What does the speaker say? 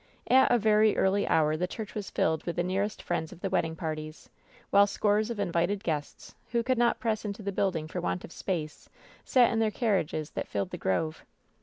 At a very early hour the church was filled with the nearest friends of the wedding parties, while scores of invited guests who could not press into the building for want of space sat in their carriages that filled the grove.